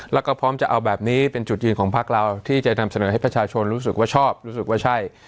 แล้วก็พร้อมจะเอาแบบนี้เป็นจุดยืนของพักเราที่จะนำเสนอให้ประชาชนรู้สึกว่าชอบรู้สึกว่าใช่